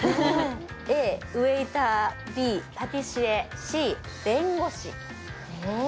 ＡウェイターＢパティシエＣ弁護士え？